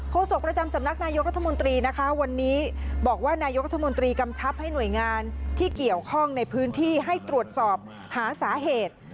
โศกประจำสำนักนายกรัฐมนตรีนะคะวันนี้บอกว่านายกรัฐมนตรีกำชับให้หน่วยงานที่เกี่ยวข้องในพื้นที่ให้ตรวจสอบหาสาเหตุ